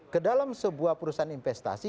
ke dalam sebuah perusahaan investasi